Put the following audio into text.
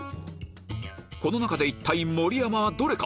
この中で一体盛山はどれか？